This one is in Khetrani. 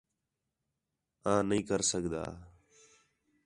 آں نھیں کر سڳدا